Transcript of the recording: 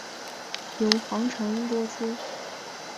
由黄承恩播出。